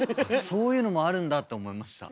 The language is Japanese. そういうのもあるんだって思いました。